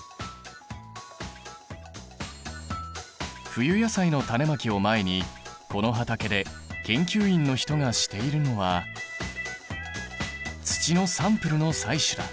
冬野菜の種まきを前にこの畑で研究員の人がしているのは土のサンプルの採取だ。